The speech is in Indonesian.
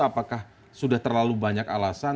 apakah sudah terlalu banyak alasan